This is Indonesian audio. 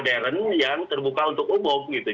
jadi pengertian terbukanya tidak hanya terbuka untuk umum